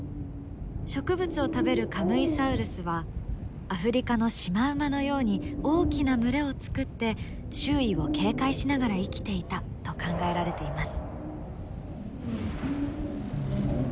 植物を食べるカムイサウルスはアフリカのシマウマのように大きな群れを作って周囲を警戒しながら生きていたと考えられています。